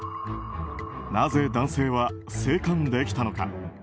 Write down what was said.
なぜ、男性は生還できたのか。